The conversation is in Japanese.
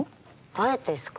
あえてっすか？